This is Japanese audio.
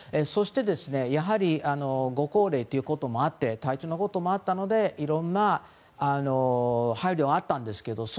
そして、やはりご高齢ということもあって体調のこともあったのでいろんな配慮はあったんですけど。